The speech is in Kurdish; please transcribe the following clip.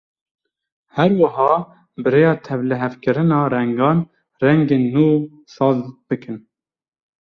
Her wiha bi rêya tevlihevkirina rengan, rengên nû saz bikin.